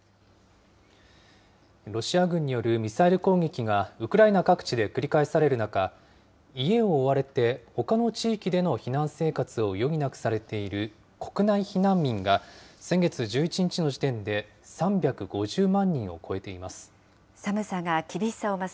ロシア軍によるミサイル攻撃がウクライナ各地で繰り返される中、家を追われてほかの地域での避難生活を余儀なくされている国内避難民が、先月１１日の時点で３５０万人を超えています。